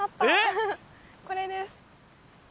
これです。